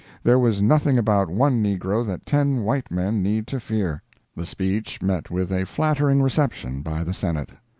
There was nothing about one negro that ten white men need to fear. The speech met with a flattering reception by the Senate.